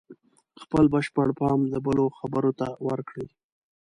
خپل بشپړ پام د بل خبرو ته ورکړئ.